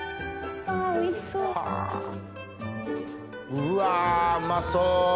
うわうまそう。